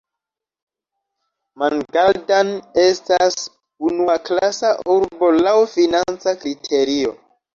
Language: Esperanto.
Mangaldan estas unuaklasa urbo laŭ financa kriterio.